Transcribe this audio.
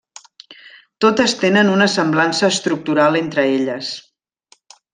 Totes tenen una semblança estructural entre elles.